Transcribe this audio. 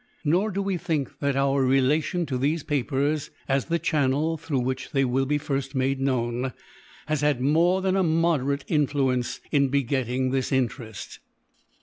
Nor do we think that our relation to these papers, as the channel through which they will be first made known, has had more than a moderate influence in begetting this interest.